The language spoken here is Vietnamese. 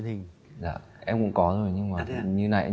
nhưng mà thật ra là không có trải nghiệm nào với truyền hình